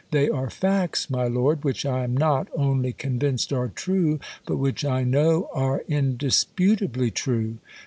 They are facts, my lords, which I am not only convinced are ti ue, but w hich I know are indis putably true.